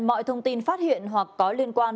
mọi thông tin phát hiện hoặc có liên quan